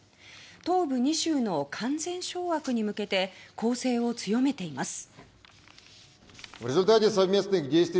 東部２州の完全掌握に向けて攻勢を強めています。